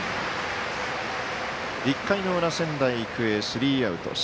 １回の裏、仙台育英スリーアウト。